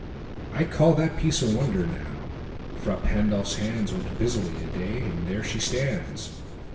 I callThat piece a wonder, now: Frà Pandolf's handsWorked busily a day, and there she stands.